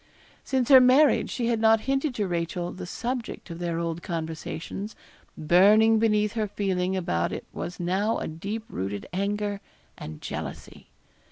Since her marriage she had not hinted to Rachel the subject of their old conversations: burning beneath her feeling about it was now a deep rooted anger and jealousy.